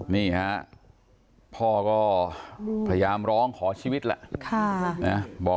นี่ฮะพ่อก็พยายามร้องขอชีวิตแหละ